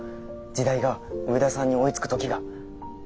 時代が上田さんに追いつく時が。